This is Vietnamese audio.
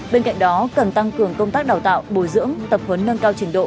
bên cạnh đó cần tăng cường công tác đào tạo bồi dưỡng tập huấn nâng cao trình độ